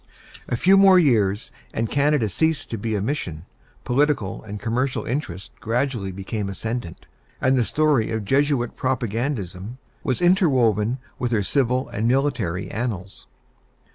A few years more, and Canada ceased to be a mission; political and commercial interests gradually became ascendant, and the story of Jesuit propagandism was interwoven with her civil and military annals.